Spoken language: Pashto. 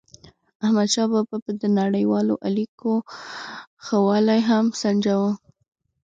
احمدشاه بابا به د نړیوالو اړیکو ښه والی هم سنجاوو.